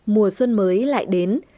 mùa xuân mới lại đến